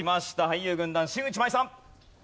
俳優軍団新内眞衣さん。